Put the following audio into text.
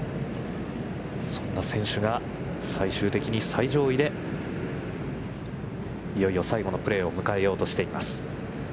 そんな選手が最終的に最上位でいよいよ最後のプレーを迎えようとしています。